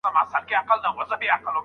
علمي مرسته باید رد نه سي.